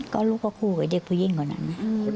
ก็ลูกก็คู่กับเด็กผู้หญิงคนนั้น